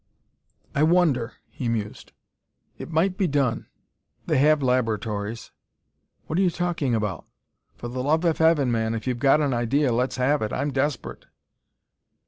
"I wonder ..." he mused; "it might be done: they have laboratories." "What are you talking about? For the love of heaven, man, if you're got an idea, let's have it. I'm desperate."